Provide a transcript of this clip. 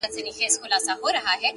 په درد آباد کي! ویر د جانان دی!